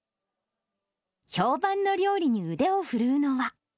評判の料理に腕を振るうのは。